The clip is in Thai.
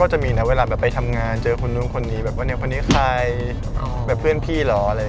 ก็มีอีกนะเวลาไปทำงานเจอคนนี้คนนี้